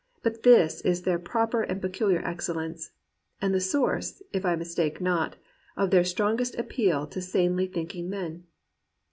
But this is their proper and peculiar excellence, and the source, if I mistake not, of their strongest appeal to sanely thinking men.